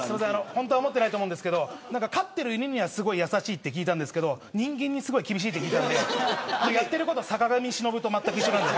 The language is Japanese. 本当は思ってないと思うんですが飼っている犬にはすごく優しいと聞いたんですけど人間に厳しいと聞いたんでやってること坂上忍とまったく一緒なので。